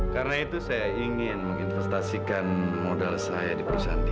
karena itu saya ingin menginvestasikan modal saya di perusahaan dia